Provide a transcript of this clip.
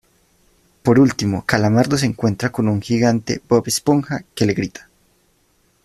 Por último, Calamardo se encuentra con un gigante Bob Esponja que le grita.